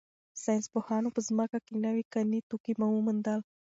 ساینس پوهانو په ځمکه کې نوي کاني توکي وموندل.